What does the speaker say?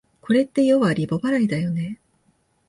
これってようはリボ払いだよね